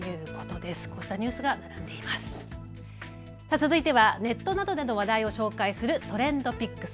続いてはネットなどでの話題を紹介するＴｒｅｎｄＰｉｃｋｓ。